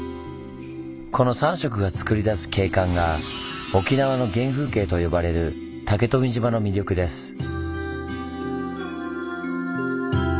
この３色がつくり出す景観が「沖縄の原風景」と呼ばれる竹富島の魅力です。